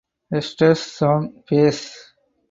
Estes sang bass.